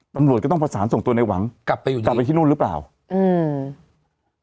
ตำรวจก็ต้องผสานส่งตัวในหวังกลับไปที่นู่นหรือเปล่าอืม